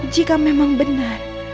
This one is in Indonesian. jika memang benar